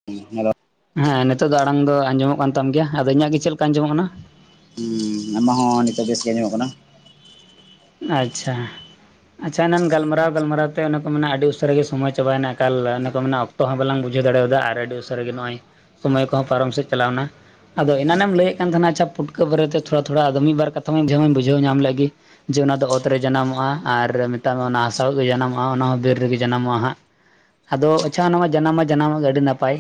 [inaudible] ᱦᱮᱸ ᱱᱤᱛᱚᱜ ᱫᱚ ᱟᱲᱟᱝ ᱫᱚ ᱟᱸᱡᱚᱢᱚᱜ ᱠᱟᱱ ᱛᱟᱢ ᱜᱮᱭᱟ ᱟᱫᱚ ᱤᱧᱟᱹᱜ ᱜᱮ ᱪᱮᱫ ᱞᱮᱠᱟ ᱟᱸᱡᱚᱢᱚᱜ ᱠᱟᱱᱟ᱾ ᱦᱩᱸ ᱟᱢᱤᱜ ᱦᱚᱸ ᱱᱤᱛᱳᱜ ᱵᱮᱥ ᱜᱮ ᱟᱸᱡᱚᱢᱚᱜ ᱠᱟᱱᱟ᱾ ᱟᱪᱪᱷᱟ ᱟᱪᱪᱷᱟ ᱮᱱᱟᱱ ᱜᱟᱞᱢᱟᱨᱟᱣ ᱜᱟᱞᱢᱟᱨᱟᱣ ᱛᱮ ᱚᱱᱮ ᱠᱚ ᱢᱮᱱᱟ ᱟᱹᱰᱤ ᱩᱥᱟᱹᱨᱟ ᱜᱮ ᱥᱚᱢᱚᱭ ᱪᱟᱵᱟᱭᱮᱱᱟ ᱮᱠᱟᱞ ᱚᱱᱟ ᱠᱚ ᱢᱮ ᱚᱠᱛᱚ ᱦᱚᱸ ᱵᱟᱞᱟᱝ ᱵᱩᱡᱟᱹᱣ ᱫᱟᱲᱮᱣ ᱟᱫᱟ ᱟᱹᱰᱤ ᱩᱥᱟᱹᱨᱟ ᱜᱮ ᱱᱚᱜᱚᱭ᱾ ᱥᱚᱢᱚᱭ ᱠᱚ ᱦᱚᱸ ᱯᱟᱨᱚᱢ ᱥᱮᱫ ᱪᱟᱞᱟᱣᱱᱟ ᱟᱫᱚ ᱮᱱᱟᱱᱮᱢ ᱟᱪᱪᱷᱟ ᱞᱟᱹᱭᱮᱫ ᱠᱟᱱ ᱛᱟᱦᱮᱱᱟ ᱟᱪᱷᱟ ᱯᱩᱴᱠᱟᱹ ᱵᱟᱨᱮᱛᱮ ᱛᱷᱚᱲᱟ ᱛᱷᱚᱲᱟ ᱟᱫᱚ ᱢᱤᱫ ᱵᱟᱨ ᱠᱟᱛᱷᱟ ᱢᱟᱧ ᱵᱩᱡᱷᱟᱹᱣ ᱢᱟᱧ ᱵᱩᱡᱷᱟᱹᱣ ᱧᱟᱢ ᱞᱮᱫ ᱜᱮ᱾ ᱡᱮ ᱚᱱᱟ ᱫᱚ ᱚᱛᱨᱮ ᱡᱟᱱᱟᱢᱚᱜᱼᱟ ᱟᱨ ᱢᱮᱛᱟᱜ ᱢᱮ ᱚᱱᱟ ᱦᱟᱥᱟᱣ ᱜᱮ ᱡᱟᱱᱟᱢᱚᱜᱼᱟ ᱚᱱᱟ ᱦᱚᱸ ᱵᱤᱨ ᱨᱮ ᱜᱮ ᱡᱟᱱᱟᱢᱚᱜᱼᱟ ᱦᱟᱸᱜ᱾ ᱟᱫᱚ ᱟᱪᱷᱟ ᱚᱱᱟ ᱢᱟ ᱡᱟᱱᱟᱢ ᱢᱟ ᱡᱟᱱᱟᱢᱚᱜ ᱜᱮᱭᱟ ᱟᱹᱰᱤ ᱱᱟᱯᱟᱭ᱾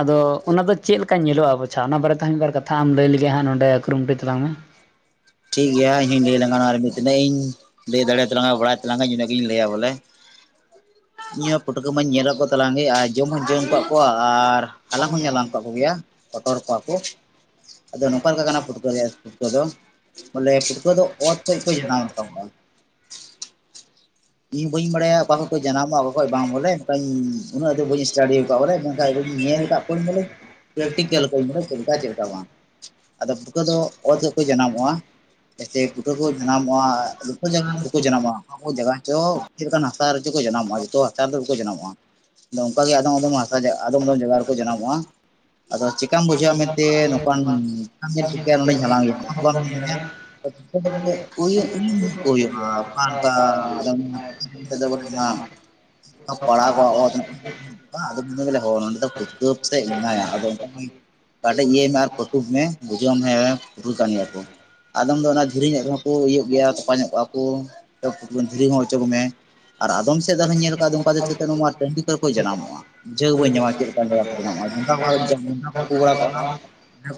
ᱟᱫᱚ ᱚᱱᱟᱫᱚ ᱪᱮᱫ ᱞᱮᱠᱟ ᱧᱮᱞᱚᱜᱼᱟ ᱟᱫᱚ ᱚᱱᱟ ᱫᱚ ᱪᱮᱫ ᱞᱮᱠᱟ ᱧᱮᱞᱚᱜᱟ ᱵᱟᱪᱷᱟ ᱚᱱᱟ ᱵᱟᱨᱮᱛᱮ ᱢᱤᱫ ᱵᱟᱨ ᱠᱟᱛᱷᱟ ᱟᱢ ᱞᱟᱹᱭ ᱞᱟᱜᱤᱫ ᱦᱟᱸᱜ ᱱᱚᱰᱮ ᱠᱩᱨᱩᱢᱩᱴᱩᱛ ᱛᱟᱞᱟᱝ ᱢᱮ᱾ ᱴᱷᱤᱠ ᱜᱮᱭᱟ ᱤᱧ ᱦᱚᱧ ᱞᱟᱹᱭ ᱟᱞᱟᱝ ᱱᱚᱣᱟ ᱨᱮ ᱢᱤᱫ ᱛᱤᱱᱟᱹᱜ ᱤᱧ ᱞᱟᱹᱭ ᱫᱟᱲᱮᱭᱟᱛᱟᱝᱟ ᱵᱟᱲᱟᱭ ᱛᱟᱞᱟᱝᱟ ᱤᱱᱟᱹᱜ ᱜᱤᱧ ᱞᱟᱹᱭᱟ ᱵᱚᱞᱮ᱾ ᱤᱧ ᱦᱚᱸ ᱯᱷᱩᱴᱠᱟᱹ ᱢᱟᱧ ᱧᱮᱞᱟᱠᱚ ᱛᱟᱞᱟᱝ ᱜᱮ ᱟᱨ ᱡᱚᱢ ᱦᱚᱧ ᱡᱚᱢ ᱠᱟᱫ ᱠᱚᱣᱟ ᱟᱨ ᱦᱟᱞᱟᱝ ᱦᱚᱧ ᱦᱟᱞᱟᱝ ᱠᱟᱼᱼ ᱠᱚᱜᱮᱭᱟ ᱦᱚᱴᱚᱨ ᱠᱚᱣᱟ ᱠᱚ ᱟᱫᱚ ᱱᱚᱝᱠᱟ ᱞᱮᱠᱟ ᱠᱟᱱᱟ ᱯᱩᱴᱠᱟᱹ ᱨᱮᱭᱟᱜ ᱛᱚᱛᱷᱚ ᱫᱚ ᱵᱚᱞᱮ ᱯᱩᱴᱠᱟᱹ ᱫᱚ ᱚᱛ ᱠᱷᱚᱡ ᱠᱚ ᱡᱟᱱᱟᱢ ᱨᱟᱠᱟᱵᱚᱜᱼᱟ᱾ ᱤᱧ ᱵᱟᱹᱧ ᱵᱟᱲᱟᱭᱟ ᱚᱠᱟ ᱠᱷᱚᱡ ᱠᱚ ᱡᱟᱱᱟᱢᱚᱜᱟ ᱚᱠᱟ ᱠᱷᱚᱡ ᱵᱟᱝ ᱵᱚᱞᱮ ᱮᱱᱠᱷᱟᱱ ᱩᱱᱟᱹᱜ ᱫᱚ ᱵᱟᱹᱧ ᱮᱥᱴᱟᱰᱤ ᱠᱟᱫ ᱵᱚᱞᱮ ᱢᱮᱱ ᱠᱷᱟᱡ ᱧᱮᱞ ᱠᱟᱫ [inaudible] ᱯᱮᱠᱴᱤᱠᱮᱞ ᱠᱚ ᱪᱮᱫ ᱞᱮᱠᱟ ᱪᱮᱫ ᱞᱮᱠᱟ ᱵᱟᱝ ᱟᱫᱚ ᱯᱩᱴᱠᱩᱟᱹ ᱫᱚ ᱚᱛ ᱠᱷᱚᱡ ᱠᱚ ᱡᱟᱱᱟᱢᱚᱜ-ᱟ ᱦᱮᱪᱮ ᱯᱩᱴᱷᱟᱹ ᱠᱚ ᱡᱟᱱᱟᱢᱚᱜ-ᱟ ᱡᱚᱛᱟ ᱡᱟᱭᱜᱟ ᱫᱚ ᱵᱟᱠᱚ ᱡᱟᱱᱟᱢᱚᱜ-ᱟ ᱚᱠᱟ ᱠᱚ ᱡᱟᱭᱜᱟ ᱨᱮᱪᱚ ᱪᱮᱫ ᱞᱮᱠᱟᱱ ᱦᱟᱥᱟ ᱨᱮ ᱪᱚᱠᱚ ᱡᱟᱱᱟᱢᱚᱜ-ᱟ ᱡᱚᱛᱚ ᱦᱟᱥᱟ ᱨᱮᱫᱚ ᱵᱟᱠᱚ ᱡᱟᱱᱟᱢᱚᱜ-ᱟ ᱚᱱᱠᱟ ᱜᱮ ᱟᱫᱚᱢ ᱟᱫᱚᱢ ᱟᱫᱚᱢ ᱟᱫᱚᱢ ᱡᱟᱭᱜᱟ ᱨᱮᱠᱚ ᱡᱟᱱᱟᱢᱚᱜ-ᱟ ᱟᱫᱚ ᱪᱮᱠᱟᱢ ᱵᱩᱡᱷᱟᱹᱣᱟ ᱢᱮᱱᱛᱮ ᱱᱚᱝᱠᱟᱱ ᱧᱮᱞ ᱴᱤᱠᱟᱹᱭᱟ ᱱᱚᱰᱮᱧ ᱦᱟᱞᱟᱝᱮᱭᱟ ᱚᱱᱟ ᱦᱚᱸ ᱵᱟᱢ ᱢᱮᱱᱭᱟ ᱩᱭᱩ ᱩᱭᱩᱝ ᱧᱚᱜ ᱠᱚ ᱦᱩᱭᱩᱜᱟ ᱚᱠᱟ ᱞᱮᱠᱟ [unintelligible] ᱯᱟᱲᱟᱜᱚᱜᱟ ᱚᱛ [unintelligible] ᱟᱫᱚ [unintelligible] ᱱᱚᱸᱰᱮ ᱫᱚ ᱯᱩᱴᱠᱟᱹ ᱯᱟᱥᱮ ᱢᱮᱱᱟᱭᱟ ᱟᱫᱚ ᱚᱝᱠᱟ ᱠᱟᱴᱤᱡ ᱤᱭᱟᱹᱭ ᱢᱮ ᱟᱨ ᱯᱷᱴᱩᱵ ᱢᱮ ᱵᱩᱡᱷᱟᱹᱣᱟᱢ ᱦᱮᱸ ᱯᱩᱴᱠᱟᱹ ᱠᱟᱱ ᱜᱮᱭᱟ ᱠᱚ᱾ ᱟᱫᱚᱢ ᱫᱚ ᱚᱱᱟ ᱫᱷᱤᱨᱤ ᱧᱚᱜ ᱨᱮᱦᱚᱸ ᱠᱚ ᱤᱭᱟᱹ ᱜᱮᱭᱟ ᱛᱚᱯᱟ ᱧᱚᱜ ᱠᱚᱜᱟ ᱠᱚ᱾ ᱚᱪᱚᱠ ᱢᱮ ᱟᱨ ᱟᱫᱚᱢ ᱥᱮᱫ ᱫᱚ ᱟᱨᱦᱚᱧ ᱧᱮᱞ ᱠᱟᱜᱟᱫᱚ ᱚᱝᱠᱟ ᱴᱟᱺᱰᱤ ᱠᱚᱨᱮ ᱡᱟᱱᱟᱢᱚᱜ-ᱟ᱾ ᱵᱩᱡᱷᱟᱹᱣ ᱵᱟᱹᱧ ᱧᱟᱢᱟ ᱪᱮᱫ ᱞᱮᱠᱟᱱ ᱡᱟᱭᱜᱟ ᱨᱮᱠᱚ ᱡᱟᱱᱟᱢᱚᱜ-ᱟ [unintelligible] ᱠᱩ ᱵᱟᱲᱟ ᱠᱚᱜ-ᱟ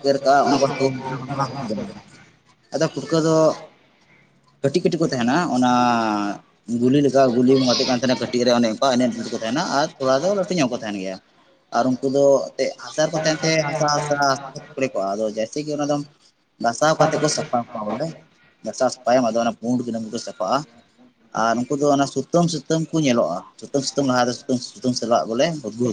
ᱮᱨ ᱠᱟᱜᱟ ᱚᱱᱟ ᱠᱚ [unintelligible] ᱟᱫᱚ ᱯᱩᱴᱠᱟᱹ ᱫᱚ, ᱠᱟᱹᱴᱤᱡ ᱠᱟᱹᱴᱤᱡ ᱠᱚ ᱛᱟᱦᱮᱱᱟ ᱚᱱᱟ ᱜᱩᱞᱤ ᱞᱮᱠᱟ ᱜᱩᱞᱤ ᱵᱚᱱ ᱜᱟᱛᱮᱜ ᱠᱟᱱ ᱛᱟᱦᱮᱱᱟ ᱠᱟᱹᱴᱤᱡ ᱨᱮ ᱚᱱᱮ ᱚᱝᱠᱟ ᱮᱱᱮᱡ ᱠᱚ ᱛᱟᱦᱮᱱᱟ ᱟᱨ ᱛᱷᱚᱲᱟ ᱫᱚ ᱞᱟᱹᱴᱩ ᱧᱚᱜ ᱠᱚ ᱛᱟᱦᱮᱱ ᱜᱮᱭᱟ᱾ ᱟᱨ ᱩᱱᱠᱩ ᱫᱚ ᱮᱛᱮᱜ ᱦᱟᱥᱟ ᱨᱮᱠᱚ ᱛᱟᱦᱮᱱ ᱛᱮ ᱦᱟᱥᱟ ᱦᱟᱥᱟ ᱦᱟᱥᱟ ᱠᱚ ᱛᱷᱚᱠᱲᱮ ᱠᱚᱜᱟ ᱟᱫᱚ ᱡᱟᱹᱭᱥᱮ ᱠᱤ ᱚᱱᱟ ᱫᱚ ᱜᱟᱥᱟᱣ ᱠᱟᱛᱮᱫ ᱠᱚ ᱥᱟᱯᱷᱟ ᱠᱚᱣᱟ ᱵᱚᱞᱮ ᱜᱷᱟᱥᱟᱣ ᱥᱟᱯᱷᱟᱭᱟᱢ ᱟᱫᱚ ᱚᱱᱟ ᱯᱩᱸᱰ ᱜᱮ ᱠᱚ ᱥᱟᱯᱷᱟᱜ-ᱟ᱾ [unintelligible] ᱟᱨ ᱩᱱᱠᱩ ᱫᱚ ᱚᱱᱮ ᱥᱩᱛᱟᱹᱢ ᱥᱩᱛᱟᱹᱢ ᱠᱚ ᱧᱮᱞᱚᱜ-ᱟ ᱥᱩᱛᱟᱹᱢ ᱥᱩᱛᱟᱹᱢ ᱞᱟᱦᱟ ᱥᱩᱛᱟᱹᱢ ᱥᱩᱛᱟᱹᱢ ᱥᱩᱛᱟᱹᱢ ᱥᱟᱞᱟᱜ ᱵᱚᱞᱮ [unintelligible]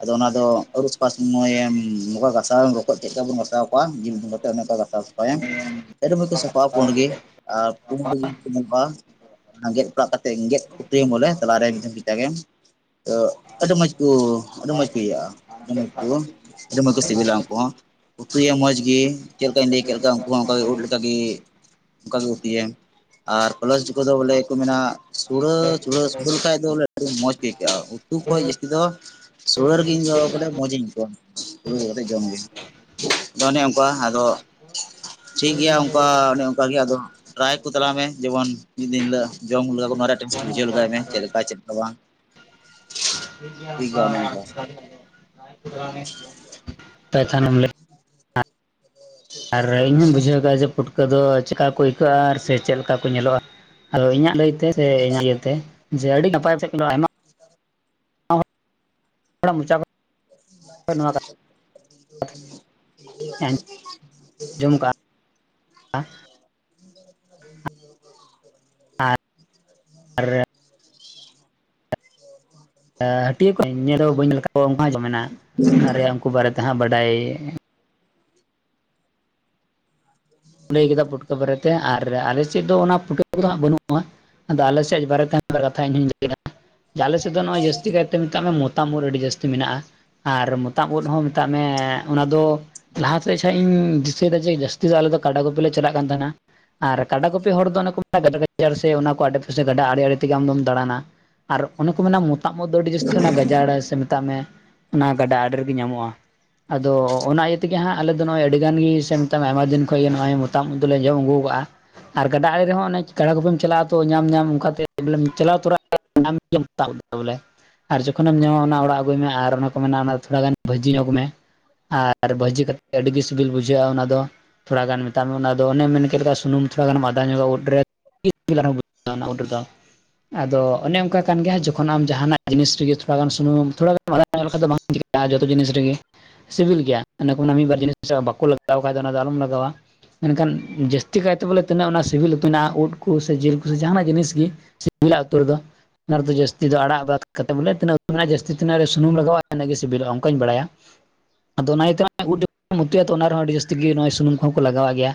ᱟᱫᱚ ᱚᱱᱟ ᱫᱚ ᱟᱹᱨᱩᱵ ᱥᱟᱯᱷᱟ‌ ᱥᱚᱭᱮᱢ ᱱᱚᱝᱠᱟ ᱜᱟᱥᱟᱣᱮᱢ ᱨᱚᱠᱚᱡ ᱪᱮᱫ ᱞᱮᱠᱟ ᱵᱚᱱ ᱜᱟᱥᱟᱣ ᱠᱚᱣᱟ [unintelligible] ᱠᱟᱛᱮ ᱚᱱᱮ ᱚᱱᱠᱟ ᱜᱟᱥᱟᱣ ᱥᱟᱯᱷᱟᱮᱢ ᱟᱰᱤ ᱢᱚᱪ ᱥᱟᱯᱷᱟᱜᱟ ᱯᱩᱸᱰ ᱜᱮ ᱟᱨ ᱯᱩᱸᱰ ᱜᱮ ᱠᱚ ᱧᱮᱞᱚᱜ-ᱟ᱾ ᱚᱱᱟ ᱜᱮᱫ ᱯᱟᱲᱟᱜ ᱠᱟᱛᱮᱫ ᱜᱮᱫ ᱠᱩᱴᱨᱟᱹᱭᱮᱢ ᱵᱚᱞᱮ ᱛᱟᱞᱟᱨᱮ ᱢᱤᱫᱴᱟᱝ ᱠᱮᱪᱟᱠᱮᱢ᱾ ᱛᱚ ᱟᱹᱰᱤ ᱢᱚᱡᱽ ᱠᱚ ᱟᱹᱰᱤ ᱢᱚᱡᱽ ᱠᱚ ᱤᱭᱟᱹᱜ-ᱟ ᱟᱹᱰᱤ ᱢᱚᱡᱽ ᱠᱚ ᱟᱹᱰᱤ ᱢᱚᱡᱽ ᱠᱚ ᱥᱤᱵᱤᱞᱟ ᱩᱱᱠᱩ ᱦᱚᱸ᱾ ᱩᱛᱩᱭᱮᱢ ᱢᱚᱸᱡᱽ ᱜᱮ ᱪᱮᱫ ᱞᱮᱠᱟᱧ ᱞᱟᱹᱭ ᱠᱮᱫ ᱠᱚᱣᱟ ᱩᱱᱠᱩ ᱦᱚᱸ ᱚᱱᱠᱟᱜᱮ ᱩᱫ ᱞᱮᱠᱟᱜᱮ ᱚᱱᱠᱟ ᱜᱮ ᱩᱛᱩᱭᱮᱢ ᱟᱨ [unintelligible] ᱠᱚᱫᱚ ᱵᱚᱞᱮ ᱠᱚ ᱢᱮᱱᱟ ᱥᱩᱲᱟᱹ ᱩᱩᱲᱟᱹ ᱞᱮᱠᱷᱟᱱᱡ ᱵᱚᱞᱮ ᱟᱹᱰᱤ ᱢᱚᱡᱽ ᱜᱮ ᱟᱹᱭᱠᱟᱹᱜ-ᱟ ᱩᱛᱩ ᱠᱷᱚᱱ ᱡᱟᱹᱥᱛᱤ ᱫᱚ ᱥᱩᱲᱟᱹ ᱨᱮᱜᱤᱧ ᱵᱚᱞᱮ ᱢᱚᱡᱤᱧ ᱟᱹᱭᱠᱟᱹᱣ-ᱟ [unintelligible] ᱠᱟᱛᱮ ᱡᱚᱢ ᱜᱮ᱾ ᱟᱫᱚ ᱚᱱᱮ ᱚᱱᱠᱟ ᱟᱫᱚ ᱴᱷᱤᱠ ᱜᱮᱭᱟ ᱚᱱᱠᱟ ᱚᱱᱮ ᱚᱱᱠᱟᱜᱮ ᱟᱫᱚ ᱴᱨᱟᱭ ᱠᱚ ᱛᱟᱞᱟᱝ ᱢᱮ ᱡᱮᱢᱚᱱ ᱢᱤᱫ ᱫᱤᱱ ᱦᱤᱞᱳᱜ ᱡᱚᱢ [unintelligible] ᱚᱱᱟ ᱨᱮᱭᱟᱜ ᱴᱮᱴᱥᱤ ᱵᱩᱡᱷᱟᱹᱣ ᱞᱮᱟᱜᱟᱭ ᱢᱮ ᱪᱮᱫ ᱞᱮᱠᱟ ᱪᱮᱫ ᱞᱮᱠᱟ ᱵᱟᱝ᱾ ᱴᱷᱤᱠ ᱜᱮᱭᱟ ᱚᱱᱮ ᱚᱱᱠᱟ [unintelligible] ᱟᱨ ᱤᱧ ᱦᱚᱸᱧ ᱵᱩᱡᱷᱟᱹᱣᱫᱟ ᱡᱮ ᱯᱩᱴ ᱠᱟᱹ ᱫᱚ ᱪᱮᱠᱟ ᱠᱚ ᱟᱹᱭᱠᱟᱹᱜ-ᱟ ᱥᱮ ᱪᱮᱫ ᱞᱮᱠᱟ ᱠᱚ ᱧᱮᱞᱚᱜ-ᱟ ᱟᱫᱚ ᱤᱧᱟᱹᱜ ᱞᱟᱹᱭᱛᱮ ᱥᱮ ᱤᱧᱟᱹᱜ ᱟᱹᱭᱛᱮ ᱡᱮ ᱟᱹᱰᱤ ᱱᱟᱯᱟᱭ ᱛᱮ [unintelligible] ᱠᱟᱛᱷᱟᱧ ᱟᱸᱡᱚᱢ [unintelligible] ᱠᱟᱜᱼᱟ [unintelligible] [inaudible] ᱟᱨ [unintelligible] [unintelligible] ᱧᱮᱞ ᱫᱚ ᱵᱟᱹᱧ [unintelligible] ᱚᱱᱠᱟ ᱜᱮᱠᱚ ᱢᱮᱱᱟ, ᱚᱱᱟ ᱩᱱᱠᱩ ᱵᱟᱨᱮᱛᱮ ᱦᱟᱸᱜ ᱵᱟᱰᱟᱭ ᱞᱟᱹᱭ ᱠᱮᱫᱟ ᱯᱩᱴᱠᱟᱹ ᱵᱟᱨᱮᱛᱮ ᱟᱨ ᱟᱞᱮ ᱥᱮᱫ ᱫᱚ ᱚᱱᱟ ᱯᱩᱴᱷᱟᱹ ᱠᱚᱫᱚ ᱦᱟᱸᱜ ᱵᱟᱹᱱᱩᱜ-ᱟ᱾ ᱟᱫᱚ ᱟᱞᱮᱥᱮᱫ ᱵᱟᱨᱮᱛᱮ [unintelligible] ᱠᱟᱛᱷᱟ ᱤᱧᱦᱚᱧ ᱞᱟᱹᱭᱟ ᱟᱞᱮ ᱥᱮᱫ ᱫᱚ ᱱᱚᱜ-ᱚᱭ ᱡᱟᱹᱥᱛᱤ ᱠᱟᱭᱛᱮ ᱢᱮᱛᱟᱜ ᱢᱮ ᱢᱚᱛᱟᱢ ᱩᱫ ᱟᱹᱰᱤ ᱡᱟᱹᱥᱛᱤ ᱢᱮᱱᱟᱜ-ᱟ ᱟᱨ ᱢᱚᱛᱟᱢ ᱩᱫ ᱦᱚᱸ ᱢᱮᱛᱟᱜ ᱢᱮ ᱚᱱᱟ ᱫᱚ ᱞᱟᱦᱟ [unintelligible] ᱤᱧ ᱫᱤᱥᱟᱹᱭ ᱮᱫᱟ ᱡᱮ ᱡᱟᱹᱥᱛᱤ ᱫᱚ ᱟᱞᱮ ᱫᱚ ᱠᱟᱰᱟ ᱜᱩᱯᱤ ᱞᱮ ᱪᱟᱞᱟᱜ ᱠᱟᱱ ᱛᱟᱦᱮᱱᱟ ᱟᱨ ᱠᱟᱰᱟ ᱜᱩᱯᱤ ᱦᱚᱲ ᱫᱚ ᱚᱱᱮ ᱠᱚ ᱢᱮᱱᱟ ᱜᱟᱡᱟᱲ ᱜᱟᱡᱟᱲ ᱥᱮ ᱚᱱᱟ ᱠᱚ ᱟᱰᱮ ᱯᱟᱥᱮ ᱜᱟᱰᱟ ᱟᱲᱮ ᱟᱲᱮ ᱛᱮᱜᱮ ᱟᱢᱫᱚᱢ ᱫᱟᱬᱟᱱᱟ᱾ ᱟᱨ ᱚᱱᱮ ᱠᱚ ᱢᱮᱱᱟ ᱢᱚᱛᱟᱜ ᱢᱽ ᱫᱚ ᱟᱹᱰᱤ ᱡᱟᱹᱥᱛᱤ ᱜᱟᱡᱟᱲ ᱥᱮ ᱢᱮᱛᱟᱜ ᱢᱮ᱾ ᱚᱱᱟ ᱜᱟᱰᱟ ᱟᱲᱮ ᱨᱮᱜᱮ ᱧᱟᱢᱚᱜᱼᱟ᱾ ᱟᱫᱚ ᱚᱱᱟ ᱤᱭᱟᱹ ᱛᱮᱜᱮ ᱦᱟᱸᱜ ᱟᱞᱮᱫ ᱫᱚ ᱱᱚᱜᱚᱭ ᱟᱹᱰᱤ ᱜᱟᱱ ᱜᱮ ᱟᱭᱢᱟ ᱫᱤᱱ ᱠᱷᱚᱡ ᱜᱮ ᱱᱚᱜᱼᱚᱭ ᱢᱚᱛᱟᱢᱛᱩᱞ ᱞᱮ ᱡᱚᱢ ᱟᱹᱜᱩ ᱠᱟᱜᱼᱟ᱾ ᱟᱨ ᱜᱟᱰᱟ ᱟᱲᱮ ᱨᱮᱦᱚᱸ ᱚᱱᱮ ᱠᱟᱰᱟ ᱠᱚᱯᱮᱢ ᱪᱟᱞᱟᱜᱼᱟ ᱛᱚ ᱧᱟᱢ ᱧᱟᱢ ᱚᱱᱠᱟᱛᱮ ᱪᱟᱞᱟᱣ ᱛᱚᱨᱟᱼᱼ [inaudible] ᱟᱨ ᱡᱚᱠᱷᱚᱱᱮᱢ ᱧᱟᱢᱟ ᱚᱱᱟ ᱚᱲᱟᱜ ᱟᱹᱜᱩᱭ ᱢᱮ ᱟᱨ ᱚᱱᱟ ᱠᱚ ᱢᱮᱱᱟ ᱚᱱᱟ ᱛᱷᱚᱲᱟ ᱜᱟᱱ ᱵᱷᱟᱹᱡᱤ ᱧᱚᱜᱽ ᱢᱮ᱾ ᱟᱨ ᱵᱷᱟᱹᱡᱤ ᱠᱟᱛᱮᱫ ᱟᱹᱰᱤ ᱜᱮ ᱥᱤᱵᱤᱞ ᱵᱩᱡᱷᱟᱹᱜᱼᱟ ᱚᱱᱟ ᱫᱚ᱾ ᱛᱷᱚᱲᱟ ᱜᱟᱱ ᱢᱮᱛᱟᱜ ᱢᱮ ᱚᱱᱟᱫᱚ ᱚᱱᱮᱢ ᱢᱮᱱ ᱠᱮᱫ ᱞᱮᱠᱟ ᱥᱩᱱᱩᱢ ᱛᱷᱚᱲ ᱜᱟᱱ ᱟᱫᱷᱟ ᱧᱚᱜᱟ ᱩᱫ ᱨᱮ [inaudible] ᱟᱫᱚ ᱚᱱᱮ ᱚᱱᱠᱟ ᱠᱟᱱ ᱜᱮᱭᱟ ᱡᱚᱠᱷᱚᱱ ᱟᱢ ᱡᱟᱦᱟᱱᱟᱜ ᱡᱤᱱᱤᱥ ᱨᱮᱜᱮ ᱛᱷᱚᱲᱟ ᱜᱟᱱ ᱥᱩᱱᱩᱢ ᱛᱷᱚᱲᱟ᱾ ᱞᱮᱠᱷᱟᱡ ᱫᱚ ᱵᱟᱝ ᱪᱤᱠᱟᱹᱜᱼᱟ ᱡᱚᱛᱚ ᱡᱤᱱᱤᱥ ᱨᱮᱜᱮ᱾ ᱥᱤᱵᱤᱞ ᱜᱮᱭᱟ ᱚᱱᱟ ᱢᱤᱫ ᱵᱟᱨ ᱡᱤᱱᱤᱥ ᱵᱟᱠᱚ ᱞᱟᱜᱟᱣ ᱠᱷᱟᱡ ᱫᱚ ᱚᱱᱟ ᱫᱚ ᱟᱞᱚᱢ ᱞᱟᱜᱟᱣᱟ᱾ ᱢᱮᱱᱠᱷᱟᱱ ᱡᱟᱹᱥᱛᱤ ᱠᱟᱭᱛᱮ ᱵᱚᱞᱮ ᱛᱤᱱᱟᱹᱜ ᱚᱱᱟ ᱥᱤᱵᱤᱞ ᱩᱛᱩ ᱢᱮᱱᱟᱜᱼᱟᱱᱟᱜ ᱩᱫ ᱠᱚ ᱥᱮ ᱡᱤᱞ ᱠᱚ ᱡᱟᱦᱟᱱᱟᱜ ᱡᱤᱱᱤᱥ ᱜᱮ ᱥᱤᱵᱤᱞᱟ ᱩᱛᱩ ᱨᱮ ᱫᱚ ᱚᱱᱟ ᱨᱮᱫᱚ ᱡᱟᱹᱥᱛᱤ ᱫᱚ ᱟᱲᱟᱜᱫ ᱠᱟᱛᱮᱫ ᱵᱚᱞᱮ ᱛᱤᱱᱟᱹᱜ ᱩ ᱢᱮᱱᱟᱜᱼᱟ ᱡᱟᱹᱥᱛᱤᱱᱟᱜ ᱨᱮ ᱥᱩᱱᱩᱢ ᱞᱟᱜᱼᱟ ᱤᱱᱟᱹᱜ ᱥᱤᱵᱤᱞᱚᱜᱼᱟ ᱚᱱᱠᱟᱧ ᱵᱟᱲᱟᱭᱟ᱾ ᱟᱫᱚ ᱚᱱᱟᱤᱭᱟᱹᱛᱮ ᱩᱛᱩᱭᱟᱛᱚ ᱚᱱᱟ ᱨᱮᱦᱚᱸ ᱟᱹᱰᱤ ᱡᱟᱹᱥᱛᱤ ᱜᱮ ᱱᱚᱜᱚᱭ ᱥᱩᱱᱩᱢ ᱠᱚᱦᱚᱸ ᱠᱚ ᱞᱟᱜᱟᱣᱟᱜ ᱜᱮᱭᱟ᱾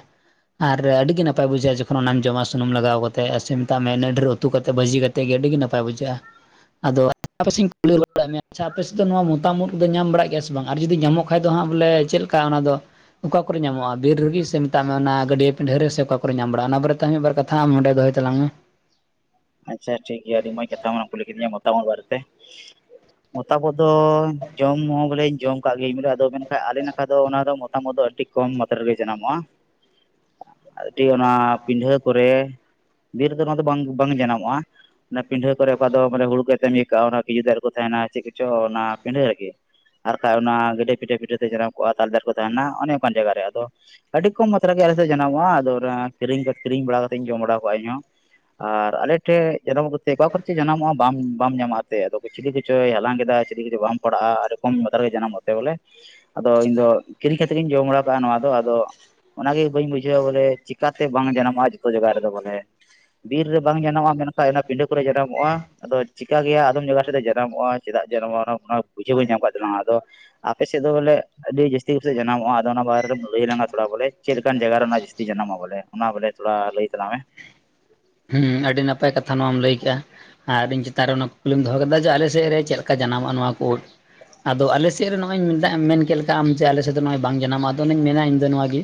ᱟᱨ ᱟᱹᱰᱤ ᱜᱮ ᱱᱟᱯᱟᱭ ᱵᱩᱡᱷᱟᱹᱜᱼᱟ ᱡᱚᱠᱷᱚᱱ ᱚᱱᱟᱢ ᱡᱚᱢᱟ ᱵᱩᱱᱩᱢ ᱞᱟᱜᱟᱣ ᱠᱟᱛᱮᱜ ᱥᱮ ᱢᱮ ᱤᱱᱟᱹ ᱰᱷᱮᱨ ᱩᱛᱩ ᱠᱟᱛᱮᱫ ᱵᱷᱡᱤ ᱠᱟ ᱠᱟᱛᱮ᱾ ᱟᱛᱮᱜ ᱜᱮ ᱟᱹᱰᱤ ᱜᱮ ᱱᱟᱯᱟᱭ ᱵᱩᱡᱷᱟᱹᱜᱼᱟ᱾ ᱟᱫᱚ ᱟᱯᱮ ᱠᱩᱞᱤ ᱫᱭᱟᱜ ᱢᱮ ᱟᱪ-ᱪᱷᱟ ᱟᱯᱥᱮᱫ ᱫᱚ ᱱᱚᱣᱟ ᱢᱚᱛᱟᱢ ᱩᱫ ᱠᱚᱫᱚ ᱧᱟᱢ ᱵᱟᱲᱟᱜ ᱜᱮᱭᱟ ᱥᱮ ᱵᱟᱝ ᱟᱨ ᱡᱩᱫᱤᱧᱟᱢᱳ ᱧᱟᱢᱚᱜᱼᱟ ᱾ ᱵᱟᱠᱷᱟᱡ ᱫᱚ ᱦᱟᱸᱜ ᱵᱚᱞᱮ ᱪᱮᱫᱮᱠᱟ ᱚᱱᱟ ᱫᱚ ᱚᱠᱟ ᱠᱚᱨᱮ ᱧᱟᱢᱚᱜᱼᱟ? ᱵᱤᱨ ᱨᱩᱜᱤ ᱥᱮ ᱢᱮᱛᱟᱜ ᱚᱱᱟ ᱜᱰᱭᱟᱹ ᱯᱤᱰᱷᱟᱹᱨ ᱨᱮ ᱚᱠᱟ ᱠᱚᱨᱮ ᱧᱟᱢ ᱵᱟᱲᱟᱜ ᱚᱱᱟ ᱵᱟᱨᱮᱦ ᱢᱤᱫᱵᱟᱨ ᱠᱟᱛᱷᱟ ᱟᱢ ᱚᱸᱰᱮ ᱫᱚᱦᱚᱭ ᱛᱟᱞᱟᱝ ᱢᱮ᱾ ᱟᱪ-ᱪᱷᱟ ᱴᱷᱤᱠ ᱜᱮᱭᱟ ᱟᱸᱰᱤ ᱢᱚᱡᱽ ᱠᱟᱛᱷᱟᱢ ᱠᱩᱞᱤ ᱠᱤᱫᱤᱧᱟ ᱢᱳᱛᱟᱢ ᱩᱫ ᱵᱟᱨᱮ ᱛᱮ᱾ ᱢᱚᱛᱟᱢ ᱩᱫ ᱫᱚ ᱡᱚᱢ ᱦᱚᱸ ᱵᱚᱞᱮ ᱡᱚᱢ ᱠᱟᱜ ᱜᱤᱭᱟᱹᱧ ᱵᱚᱞᱮ ᱟᱫᱚ ᱢᱮᱱ ᱵᱟᱠᱷᱟ ᱟᱞᱮ ᱱᱟᱠᱷᱟ ᱫᱚ ᱚᱱᱟ ᱫᱚ ᱢᱳᱴᱛᱟᱢ ᱩᱫ ᱫᱚ ᱟᱹᱰᱤ ᱠᱚᱢ ᱢᱟᱛᱨᱜᱮ ᱡᱟᱱᱟᱢᱚᱜᱼᱟ᱾ ᱟᱸᱰᱤ ᱚᱱᱟ ᱯᱤᱰᱷᱟᱹ ᱠᱚᱨᱮ ᱵᱤᱨ ᱫᱚ ᱚᱱᱟ ᱫᱚ ᱵᱟᱝ ᱵᱟᱝ ᱡᱟᱱᱟᱢᱚᱜᱼᱟ ᱾ ᱚᱱᱟ ᱯᱤᱰᱷᱟᱹ ᱠᱚᱨᱮ ᱚᱠᱟ ᱫᱚ ᱢᱟᱱᱮ ᱦᱩᱲᱩ ᱠᱟᱛᱮᱢ ᱭ ᱠᱟᱜᱼᱟ ᱚᱱᱟ ᱠᱷᱤᱡᱩᱨ ᱫᱟᱨ ᱨᱮ ᱠᱚ ᱛᱟᱦᱮᱱᱟ ᱪᱮᱫ ᱠᱚᱪᱚ ᱚᱱᱟ ᱯᱤᱰᱷᱟᱹ ᱨᱮᱜᱮ᱾ ᱟᱨ ᱠᱷᱟᱡ ᱚᱱᱟ ᱜᱟᱹᱰᱮ ᱯᱤᱴᱷᱟᱹᱭ ᱯᱤᱴᱷᱟᱹᱭ ᱛᱮ ᱡᱟᱱᱟᱢ ᱠᱚᱜᱼᱟ ᱛᱟᱞᱮ ᱫᱟᱨᱮ ᱠᱚ ᱛᱟᱦᱮᱱᱟ ᱚᱱᱮ ᱚᱱᱠᱟᱱ ᱡᱟᱭᱜᱟ ᱨᱮ ᱟᱫᱚ᱾ ᱟᱹᱰᱤ ᱠᱚᱢ ᱢᱟᱛᱨᱟ ᱜᱮ ᱟᱞᱮ ᱥᱮᱫ ᱡᱟᱱᱟᱢᱚᱜᱼᱟ ᱟᱫᱚ ᱚᱱᱟ ᱠᱤᱨᱤᱧ ᱠᱟᱠᱤᱨᱤᱧ ᱵᱟᱲᱟ ᱠᱟᱛᱮ ᱤᱧ ᱡᱚᱢ ᱵᱟᱲᱟᱣ ᱠᱟᱜᱼᱟ ᱤᱧᱦᱚᱸ᱾ ᱟᱨ ᱟᱞᱮ ᱴᱷᱮᱡ ᱡᱟᱱᱟᱢᱚᱜ ᱚᱠᱟ ᱠᱚᱨᱮ ᱪᱮᱫ ᱡᱟᱱᱟᱢᱚᱜᱼᱟ ᱵᱟᱢ ᱵᱟᱢ ᱧᱟᱢᱟ ᱮᱱᱛᱮ ᱞᱚᱠᱮᱥᱚᱼᱼ ᱪᱤᱞᱤ ᱠᱚᱪᱚᱭ ᱦᱟᱞᱟᱝ ᱠᱮᱫᱟ ᱪᱤᱞᱤ ᱠᱚᱪᱚ ᱵᱟᱢ ᱯᱟᱲᱟᱜᱼᱟ ᱟᱹᱰᱤ ᱠᱚᱢ ᱵᱟᱛᱟᱨᱮ ᱡᱟᱱᱟᱢᱚᱜ ᱛᱮ ᱵᱚᱞᱮ᱾ ᱟᱫᱚ ᱤᱧᱫᱚ ᱠᱤᱨᱤᱧ ᱠᱟᱛᱮᱫ ᱤᱧ ᱡᱚᱢ ᱵᱟᱲᱟᱣ ᱠᱟᱜᱼᱟ ᱱᱚᱣᱟ ᱫᱚ ᱟᱫᱚᱼᱼ ᱚᱱᱟᱜᱮ ᱵᱟᱹᱧ ᱵᱩᱡᱷᱟᱹᱣᱟ ᱵᱚᱞᱮ ᱪᱤᱠᱟᱛᱮ ᱵᱟᱝ ᱡᱟᱱᱟᱚᱜᱼᱟ ᱡᱚᱛᱚ ᱡᱟᱭᱜᱟ ᱨᱮᱫᱚ ᱵᱚᱞᱮ᱾ ᱵᱤᱨ ᱨᱮ ᱵᱟᱝ ᱡᱟᱱᱟᱚᱜᱼᱟ ᱢᱮᱱ ᱠᱷᱟᱡ ᱚᱱᱟ ᱯᱤᱰᱟᱹ ᱠᱚᱨᱮ ᱡᱟᱱᱟᱢᱚᱜᱼᱟ᱾ ᱟᱫᱚ ᱪᱮᱠᱟᱹ ᱜᱮᱭᱟ ᱟᱫᱚᱢ ᱡᱟᱭᱜᱟ ᱴᱷᱮᱫ ᱫᱚ ᱡᱟᱱᱟᱢᱚᱜᱼᱟ ᱪᱮᱫᱟᱜ ᱡᱟᱱᱟᱢᱚᱜᱼᱟ ᱚᱱᱟ ᱵᱩᱡᱷᱟᱹᱣ ᱵᱟᱹᱧ ᱧᱟᱢ ᱟᱠᱟᱫ ᱛᱟᱦᱮᱱᱟ ᱟᱫᱚ ᱟᱯᱮᱥᱮᱫ ᱫᱚ ᱵᱚᱞᱮ ᱟᱹᱰᱤ ᱡᱟᱹᱥᱛᱤ ᱠᱚ ᱥᱮᱫ ᱡᱟᱱᱟᱢᱚᱜᱼᱟ᱾ ᱟᱫᱚ ᱚᱱᱟ ᱵᱟᱨᱮ ᱨᱮᱢ ᱞᱟᱹᱭ ᱞᱮᱱᱟ ᱛᱷᱚᱲᱟ ᱵᱚᱞᱮ ᱪᱮᱫ ᱞᱮᱠᱟᱱ ᱡᱟᱭᱜᱟᱨᱮ ᱚᱱᱟ ᱡᱟᱹᱥᱛᱤ ᱡᱟᱱᱟᱢᱼᱟ ᱵᱚᱞᱮ ᱚᱱᱟ ᱵᱚᱞᱮ ᱛᱷᱚᱲᱟ ᱞᱟᱹᱭ ᱛᱟᱞᱟᱝ ᱢᱮ᱾ ᱦᱮᱸ ᱟᱹᱰᱤ ᱱᱟᱯᱟᱭ ᱠᱟᱛᱷᱟ ᱱᱚᱣᱟᱢ ᱞᱟᱹᱭ ᱠᱮᱜᱼᱟ᱾ ᱟᱨ ᱤᱧ ᱪᱮᱛᱟᱱ ᱨᱮ ᱚᱱᱟ ᱠᱩᱠᱞᱤᱢ ᱫᱚᱦᱚ ᱠᱮᱫᱟ ᱡᱮ ᱟᱞᱮ ᱥᱮᱫ ᱨᱮ ᱪᱮᱫ ᱞᱮᱠᱟ ᱡᱟᱱᱟᱢᱚᱜ-ᱟ ᱱᱚᱣᱟ ᱠᱚ ᱩᱫ᱾ ᱟᱫᱚ ᱟᱞᱮ ᱥᱮᱫ ᱨᱮ ᱱᱚᱜᱼᱚᱭ ᱢᱮᱱ ᱠᱮᱜ ᱞᱮᱠᱟ ᱟᱢ ᱡᱮ ᱟᱞᱮ ᱥᱮᱫ ᱫᱚ ᱱᱚᱜᱼᱚᱭ ᱵᱟᱝ ᱡᱟᱱᱟᱢᱼᱟ ᱟᱫᱚᱧ ᱢᱮᱱᱟ ᱤᱧ ᱫᱚ ᱱᱚᱣᱟᱼᱼ ᱜᱤ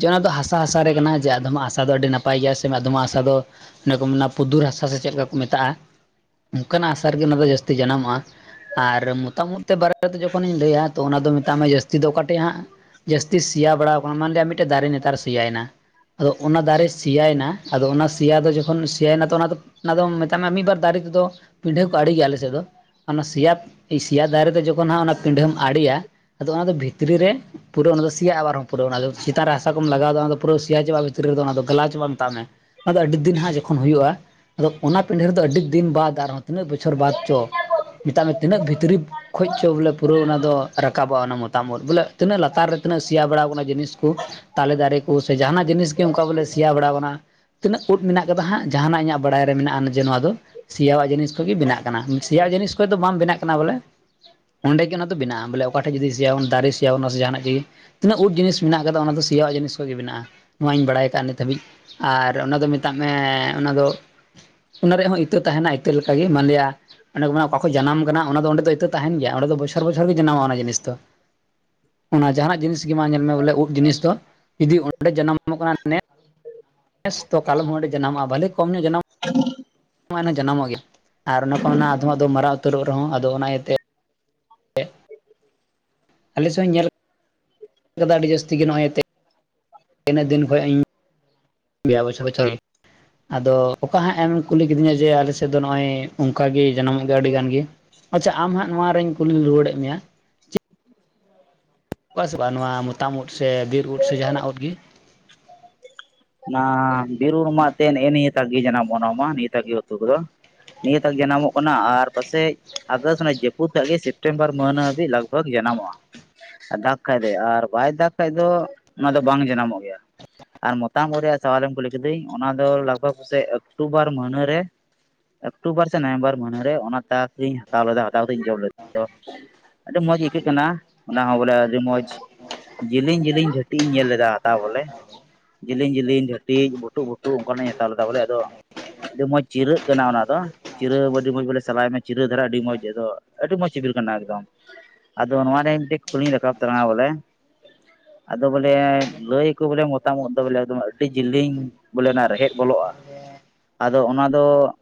ᱡᱟᱦᱟᱸ ᱫᱚ ᱦᱟᱥᱟ ᱦᱟᱥᱟ ᱨᱮ ᱠᱟᱱᱟ ᱡᱮ ᱟᱫᱷᱚᱢᱟᱜ ᱦᱟᱥᱟ ᱫᱚ ᱟᱹᱰᱤ ᱱᱟᱯᱟᱭ ᱜᱮᱭᱟ ᱥᱮ ᱟᱫᱷᱚᱢᱟᱜ ᱦᱟᱥᱟ ᱫᱚᱼᱼ ᱚᱱᱮ ᱠᱚ ᱢᱮᱱᱟ ᱯᱩᱫᱩᱨ ᱦᱟᱥᱟ ᱥᱮ ᱪᱮᱫ ᱞᱮᱠᱟ ᱠᱚ ᱢᱮᱛᱟᱜᱼᱟ᱾ ᱚᱱᱠᱟᱱᱟᱜ ᱦᱟᱥᱟ ᱨᱮᱜᱮ ᱚᱱᱟ ᱫᱚ ᱡᱟᱹᱥᱛᱤ ᱡᱟᱱᱟᱢᱚᱜᱼᱟ ᱟᱨ ᱢᱳᱛᱟᱢ ᱩᱫ ᱛᱮ ᱵᱟᱨᱮᱼᱼ [inaudible] ᱡᱚᱠᱷᱚᱱᱤᱧ ᱞᱟᱹᱭᱟ ᱛᱚ ᱚᱱᱟ ᱫᱚ ᱢᱮᱛᱟᱜ ᱢᱮ ᱡᱟᱹᱥᱛᱤ ᱫᱚ ᱚᱠᱟᱴᱷᱮᱱ ᱦᱟᱸᱜ ᱡᱟᱹᱥᱛᱤ ᱥᱮᱭᱟ ᱵᱟᱲᱟᱣᱼᱼ ᱢᱟᱱᱞᱭᱟ ᱢᱤᱫᱴᱮᱱ ᱫᱟᱨᱮ ᱱᱮᱛᱟᱨ ᱥᱮᱭᱟᱭᱱᱟ᱾ ᱟᱫᱚ ᱚᱱᱟ ᱫᱟᱨᱮ ᱥᱤᱭᱟᱭᱱᱟ ᱟᱫᱚ ᱚᱱᱟ ᱥᱤᱭᱟ ᱫᱚ ᱡᱚᱠᱷᱚᱱ ᱥᱤᱭᱟᱭ ᱱᱟᱛᱚ ᱚᱱᱟᱫᱚ ᱚᱱᱟ ᱫᱚᱢ ᱢᱮᱛᱟᱜ ᱢᱮ ᱢᱤᱜ ᱵᱟᱨ ᱫᱟᱨᱮ ᱛᱮᱫᱚ ᱯᱤᱸᱰᱷᱟᱹ ᱠᱚ ᱟᱲᱤ ᱜᱮᱭᱟ ᱟᱞᱮ ᱥᱮᱫ ᱫᱚ᱾ ᱚᱱᱟ ᱥᱮᱭᱟᱯ ᱥᱤᱭᱟ ᱫᱟᱨᱮ ᱫᱚ ᱡᱚᱠᱷᱚᱱ ᱦᱟᱸᱜ ᱚᱱᱟ ᱯᱤᱸᱰᱷᱟᱹᱢ ᱟᱬᱤᱭᱟ᱾ ᱟᱫᱚ ᱚᱱᱟ ᱫᱚ ᱵᱷᱤᱛᱨᱤ ᱨᱮ ᱯᱩᱨᱟᱹ ᱚᱱᱟ ᱫᱚ ᱥᱮᱭᱟᱜᱼᱟ᱾ ᱯᱩᱨᱟᱹᱣ ᱚᱱᱟ ᱫᱚ ᱥᱮᱛᱟᱜ ᱨᱮ ᱦᱟᱥᱟ ᱠᱚᱢ ᱞᱟᱜᱟᱣᱫᱟ ᱚᱱᱟ ᱯᱩᱨᱟᱹᱣ ᱥᱮᱭᱟ ᱪᱟᱵᱟᱜᱼᱟ ᱵᱷᱤᱛᱤᱨ ᱨᱮᱫᱚ ᱚᱱᱟ ᱫᱚ ᱜᱮᱞᱟᱣ ᱪᱟᱵᱟᱜᱼᱟ ᱢᱮᱛᱟᱜ ᱢᱮ᱾ ᱟᱫᱚ ᱟᱹᱰᱤ ᱫᱤᱱ ᱦᱟᱸᱜ ᱡᱚᱠᱷᱚᱱ ᱦᱩᱭᱩᱜᱼᱟ ᱟᱫᱚ ᱚᱱᱟ ᱯᱤᱸᱰᱦᱟᱹ ᱨᱮᱫᱚ ᱟᱹᱰᱤ ᱫᱤᱱ ᱵᱟᱫ ᱟᱨᱦᱚᱸ ᱛᱤᱱᱟᱹᱜ ᱵᱚᱪᱷᱚᱨ ᱵᱟᱫ ᱪᱚ ᱢᱮᱛᱟᱜ ᱢᱮ ᱛᱤᱱᱟᱹᱜ ᱵᱷᱤᱛᱨᱤ ᱠᱷᱚᱡ ᱪᱚ ᱵᱚᱞᱮ ᱯᱩᱨᱟᱹ ᱚᱱᱟ ᱫᱚ ᱨᱟᱠᱟᱵᱚᱜᱼᱟ ᱚᱱᱟ ᱢᱚᱛᱟᱢᱚᱛ ᱵᱚᱞᱮ ᱛᱤᱱᱟᱹᱜ ᱞᱟᱛᱟᱨ ᱨᱮ ᱛᱤᱱᱟᱹᱜ ᱥᱮᱭᱟ ᱵᱟᱲᱟ ᱠᱟᱱᱟ ᱡᱤᱱᱤᱥ ᱠᱩ ᱛᱟᱞᱮ ᱫᱟᱨᱮ ᱠᱩ ᱥᱮ ᱡᱟᱦᱟᱱᱟᱜ ᱡᱤᱱᱤᱥ ᱜᱮ ᱚᱝᱠᱟ ᱵᱚᱞᱮ ᱥᱤᱭᱟ ᱵᱟᱲᱟᱣ ᱠᱟᱱᱟ᱾ ᱛᱤᱱᱟᱹᱜ ᱩᱫ ᱢᱮᱱᱟᱜ ᱠᱟᱫᱟ ᱦᱟᱸᱜ ᱡᱟᱦᱟᱱᱟᱜ ᱤᱧᱟᱹᱜ ᱵᱟᱲᱟᱭ ᱨᱮ ᱢᱮᱱᱟᱜᱼᱟ ᱱᱤᱡᱮ ᱱᱚᱣᱟ ᱫᱚ᱾ ᱥᱤᱭᱟᱣᱟᱜ ᱡᱤᱱᱤᱥ ᱠᱷᱚᱡ ᱜᱮ ᱵᱮᱱᱟᱜ ᱠᱟᱱᱟ ᱥᱤᱭᱟ ᱡᱤᱱᱤᱥ ᱠᱷᱚᱡ ᱫᱚ ᱵᱟᱝ ᱵᱮᱱᱟᱜ ᱠᱟᱱᱟ ᱵᱚᱞᱮ ᱚᱸᱰᱮ ᱜᱮ ᱚᱱᱟ ᱫᱚ ᱵᱮᱱᱟᱜᱼᱟ ᱵᱚᱞᱮ ᱚᱠᱟᱴᱷᱮᱡ ᱡᱩᱫᱤ ᱥᱮᱭᱟᱢ ᱫᱟᱨᱮ ᱥᱮᱭᱟ ᱵᱚᱱ ᱱᱟᱥᱮ ᱡᱟᱦᱱᱟᱜ ᱡᱤᱱᱤᱥ ᱜᱤ ᱛᱤᱱᱟᱹᱜ ᱩᱫ ᱡᱤᱱᱤᱥ ᱢᱮᱱᱟᱜ ᱠᱟᱫᱟ ᱚᱱᱟ ᱫᱚ ᱥᱤᱭᱟᱣᱟᱜ ᱡᱤᱱᱤᱥ ᱠᱷᱚᱡ ᱜᱮ ᱵᱮᱱᱟᱜᱼᱟ ᱱᱚᱣᱟ ᱤᱧ ᱵᱟᱲᱟᱭ ᱠᱟᱜᱼᱟ ᱱᱤᱛ ᱫᱷᱟᱹᱵᱤᱡ᱾ ᱟᱨ ᱚᱱᱟ ᱫᱚ ᱢᱮᱛᱟᱜ ᱢᱮ ᱚᱱᱟ ᱫᱚ᱾ ᱚᱱᱟ ᱨᱮᱦᱚᱸ ᱤᱛᱟᱹ ᱛᱟᱦᱮᱱᱟ ᱤᱛᱟᱹ ᱞᱮᱠᱟᱜᱤ ᱢᱟᱞᱤᱭᱟ᱾ ᱚᱸᱰᱮ ᱠᱷᱚᱡ ᱚᱠᱟ ᱠᱷᱚ ᱡᱟᱱᱟᱢ ᱠᱟᱱᱟ ᱚᱱᱟ ᱫᱚ ᱚᱸᱰᱮ ᱫᱚ ᱤᱛᱟᱹ ᱛᱟᱦᱮᱱ ᱜᱮᱭᱟ ᱚᱸᱰᱮ ᱫᱚ ᱵᱚᱪᱷᱚᱨ ᱵᱚᱪᱷᱚᱨ ᱜᱮ ᱡᱟᱱᱟᱢᱚᱜ-ᱟ ᱚᱱᱟ ᱡᱤᱱᱤᱥ ᱫᱚ᱾ ᱚᱱᱟ ᱡᱟᱦᱟᱱᱟᱜ ᱡᱤᱱᱤᱥ ᱜᱤ ᱢᱟ ᱧᱮᱞ ᱢᱮ ᱵᱚᱞᱮ ᱩᱫ ᱡᱤᱱᱤᱥ ᱫᱚ ᱡᱩᱫᱤ ᱚᱸᱰᱮ ᱡᱟᱱᱟᱢᱚᱜ ᱠᱟᱱᱟ [inaudible] ᱱᱮᱥ ᱛᱚ ᱠᱟᱞᱚᱢ ᱦᱚᱸ ᱚᱸᱰᱮ ᱡᱟᱱᱟᱢᱚᱜᱼᱟ ᱵᱷᱟᱹᱞᱮ ᱠᱚᱢ ᱱᱚᱜ ᱡᱟᱱᱟᱢᱚᱜ [inaudible] ᱡᱟᱱᱟᱢᱚᱜ ᱜᱮᱭᱟ ᱾ ᱟᱨ ᱚᱱᱟ ᱠᱚ ᱚᱱᱟ ᱟᱫᱷᱚ ᱟᱫᱷᱚ ᱢᱟᱨᱟᱣ ᱩᱛᱟᱹᱨᱚᱜ ᱨᱮᱦᱚᱸ ᱟᱫᱚ ᱚᱱᱟ ᱤᱭᱟᱹᱛᱮ᱾ ᱟᱞᱮ ᱥᱮᱱ ᱦᱚᱸᱧ ᱧᱮᱞ ᱠᱟᱫᱟ ᱟᱹᱰᱤ ᱡᱟᱹᱥᱛᱤ ᱜᱮ ᱱᱚᱜᱼᱚᱭ ᱛᱤᱱᱟᱹᱜ ᱫᱤᱱ ᱠᱷᱚᱡ ᱤᱧ᱾ ᱜᱮᱭᱟ ᱵᱚᱪᱷᱚᱨ [unintelligible] ᱟᱫᱚ ᱚᱠᱟ ᱦᱟᱸᱜ ᱮᱢ ᱠᱩᱞᱤ ᱠᱤᱫᱤᱧᱟ ᱡᱮ ᱟᱞᱮᱥᱮᱫ ᱫᱚ ᱱᱚᱜᱼᱚᱭ ᱩᱝᱠᱟ ᱜᱤ ᱡᱟᱱᱟᱢᱚᱜ ᱜᱮᱭᱟ ᱟᱹᱰᱤ ᱜᱟᱱ ᱜᱤ᱾ ᱟᱪᱪᱷᱟ ᱟᱢ ᱦᱟᱸᱜ ᱱᱚᱣᱟ ᱨᱮᱧ ᱠᱩᱞᱤ ᱨᱩᱣᱟᱹᱲᱮᱫ ᱢᱮᱭᱟ? ᱚᱠᱟ ᱥᱮ ᱵᱟᱝ ᱱᱚᱣᱟ ᱢᱚᱛᱟ ᱢᱩᱫ ᱥᱮ ᱵᱤᱨ ᱩᱫ ᱥᱮ ᱡᱟᱦᱟᱱᱟᱜ ᱩᱫ ᱜᱤ᱾ ᱩᱱᱟ ᱵᱤᱨ ᱩᱲ ᱢᱟ ᱛᱮᱱ ᱮ ᱱᱤᱭᱟᱹ ᱛᱟᱜᱤ ᱡᱟᱱᱟᱢ ᱚᱱᱚ ᱢᱟ ᱱᱤᱭᱟᱹ ᱛᱟᱵᱤ ᱩᱛᱩ ᱠᱚᱫᱚ᱾ ᱱᱤᱭᱟᱹ ᱛᱟᱠ ᱡᱟᱱᱟᱢᱚᱜ ᱠᱟᱱᱟ ᱟᱨ ᱯᱟᱥᱮᱡ ᱟᱨᱫᱚᱥ ᱩᱱᱟᱹᱡ ᱡᱟᱹᱯᱩᱫ ᱠᱟᱜ ᱜᱮ ᱥᱮᱯᱴᱮᱢᱵᱚᱨ ᱢᱟᱹᱱ ᱦᱟᱹᱵᱤᱡ ᱞᱟᱜᱽ ᱵᱷᱟᱜᱽ ᱡᱟᱱᱟᱢᱚᱜᱼᱟ᱾ [inaudible] ᱫᱟᱠ ᱠᱷᱟᱡ ᱫᱚᱭ ᱟᱨ ᱵᱟᱭ ᱫᱟᱠ ᱠᱷᱟᱡ ᱫᱚ ᱚᱱᱟ ᱫᱚ ᱵᱟᱝ ᱡᱟᱱᱟᱢᱚᱜ ᱜᱮᱭᱟ ᱟᱨ ᱢᱚᱛ ᱾ ᱛᱟᱢ ᱩᱨᱤᱭᱟᱜ ᱥᱟᱵᱟᱞᱮᱢ ᱠᱩᱞᱤ ᱠᱤᱫᱟᱹᱧ, ᱚᱱᱟ ᱫᱚ ᱞᱟᱜᱽ ᱵᱷᱟᱜᱽ ᱯᱟᱥᱮᱜ ᱚᱠᱴᱩᱵᱚᱨ ᱢᱟᱹᱱᱟᱹ ᱨᱮ ᱚᱠᱴᱩᱵᱚᱨ ᱥᱮ ᱱᱚᱭᱮᱢᱵᱚᱨ ᱢᱟᱹᱱᱟᱹ ᱨᱮ, ᱚᱱᱟ ᱛᱟᱠ ᱤᱧ ᱦᱟᱛᱟᱣ ᱞᱮᱫᱟ ᱦᱟᱛᱟᱣ ᱠᱟᱛᱮᱧ ᱡᱚᱢ ᱞᱮᱫᱟ [inaudible] ᱟᱹᱰᱤ ᱢᱚᱸᱡᱽ ᱤᱠᱷᱟᱹᱜ ᱠᱟᱱᱟ ᱾ ᱚᱱᱟ ᱦᱚᱸ ᱵᱚᱞᱮ ᱟᱹᱰᱤ ᱢᱚᱸᱡᱽ᱾ ᱡᱤᱞᱤᱧ ᱡᱤᱞᱤᱧ ᱜᱷᱟᱸᱴᱤ ᱤᱧ ᱧᱮᱞ ᱞᱮᱫᱟ ᱦᱟᱛᱟᱣ ᱵᱚᱞᱮ ᱾ ᱞᱤᱱ ᱜᱷᱟᱴᱤᱡ ᱜᱷᱩᱴᱩ ᱜᱷᱩᱴᱩ ᱚᱱᱠᱟᱱᱟᱜ ᱤᱧ ᱦᱟᱛᱟᱣ ᱵᱚᱞᱮ, ᱟᱫᱚ ᱟᱹᱰᱤ ᱢᱚᱸᱡᱽ ᱪᱤᱨᱟᱹᱜ ᱠᱟᱱᱟ ᱚᱱᱟ ᱫᱚ ᱾ ᱪᱤᱨᱟᱹ ᱟᱹᱰᱤ ᱢᱚᱸᱡᱽ ᱵᱚᱞᱮ ᱥᱟᱞᱟᱭ ᱢᱮ, ᱪᱤᱨᱟᱹ ᱫᱷᱟᱨᱟ ᱟᱹᱰᱤ ᱢᱚᱸᱡᱽ ᱟᱫᱚ, ᱟᱹᱰᱤ ᱢᱚᱸᱡᱽ ᱥᱤᱵᱤᱞ ᱠᱟᱱᱟ, ᱮᱠᱫᱚᱢ ᱾ ᱟᱫᱚ ᱱᱚᱣᱟ ᱨᱮᱱ ᱴᱮᱡ ᱠᱩᱞᱤᱧ ᱨᱟᱠᱟᱵ ᱛᱟᱞᱟᱝᱟ ᱵᱚᱞᱮ ᱾ ᱟᱫᱚ ᱵᱚᱞᱮ ᱞᱟᱹᱭᱟ ᱠᱚ ᱵᱚᱞᱮ ᱢᱚᱛᱟᱢᱚᱛ ᱾ ᱮᱠ ᱫᱚ ᱮᱠᱫᱚᱢ ᱟᱹᱰᱤ ᱡᱤᱞᱤᱧ ᱵᱚᱞᱮ ᱚᱱᱟ ᱨᱮᱦᱮᱫ ᱵᱚᱞᱚᱜᱼᱟ ᱾ ᱛᱚ ᱚᱱᱟ ᱫᱚ